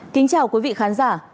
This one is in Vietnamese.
kính chào quý vị khán giả